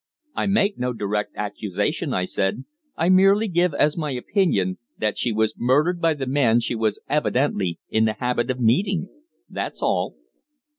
"I make no direct accusation," I said. "I merely give as my opinion that she was murdered by the man she was evidently in the habit of meeting. That's all."